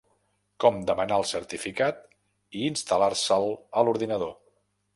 Com demanar el certificat i instal·lar-se'l a l'ordinador.